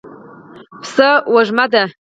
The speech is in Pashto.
پسه وږمه ده.